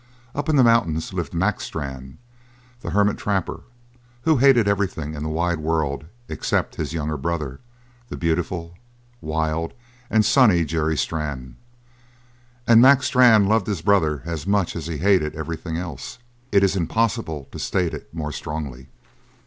Up in the mountains lived Mac Strann, the hermit trapper, who hated everything in the wide world except his young brother, the beautiful, wild, and sunny Jerry Strann. And Mac Strann loved his brother as much as he hated everything else; it is impossible to state it more strongly.